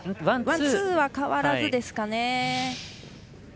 ワン、ツーは変わらずですかね。